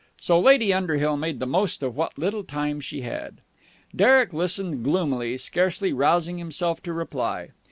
So Lady Underhill made the most of what little time she had. Derek listened gloomily, scarcely rousing himself to reply.